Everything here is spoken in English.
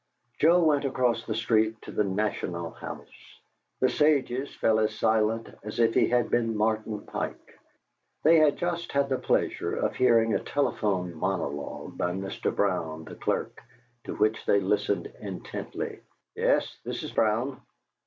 Joe went across the street to the "National House." The sages fell as silent as if he had been Martin Pike. They had just had the pleasure of hearing a telephone monologue by Mr. Brown, the clerk, to which they listened intently: "Yes. This is Brown.